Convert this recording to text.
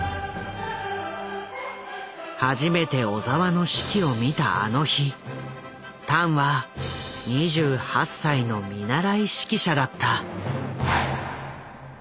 初めて小澤の指揮を見たあの日タンは２８歳の見習い指揮者だった。